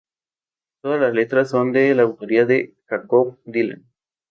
Todas las letras son de la autoría de Jakob Dylan.